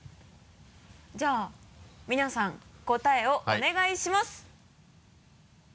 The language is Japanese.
じゃあ皆さん答えをお願いしますはい。